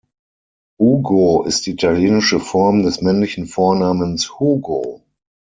Ugo ist die italienische Form des männlichen Vornamens Hugo.